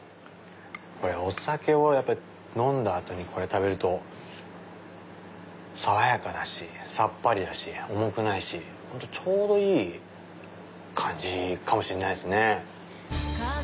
お酒を飲んだ後にこれ食べると爽やかだしさっぱりだし重くないし本当ちょうどいい感じかもしんない。